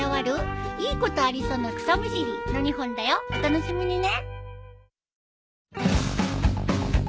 お楽しみにね。